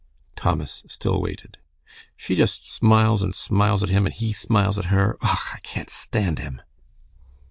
Thomas still waited. "She just smiles and smiles at him, and he smiles at her. Ugh! I can't stand him."